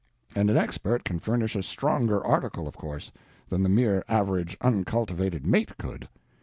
And an expert can furnish a stronger article, of course, than the mere average uncultivated mate could.